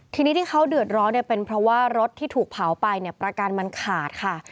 ทีนี้ที่เขาเดือดร้อนเนี่ยเป็นเพราะว่ารถที่ถูกเผาไปเนี่ยประกันมันขาดค่ะ